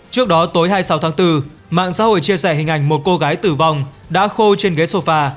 trước đó tối hai mươi sáu tháng bốn mạng xã hội chia sẻ hình ảnh một cô gái tử vong đã khô trên ghế sôfa